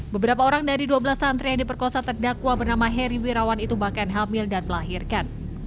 beberapa orang dari dua belas santri yang diperkosa terdakwa bernama heri wirawan itu bahkan hamil dan melahirkan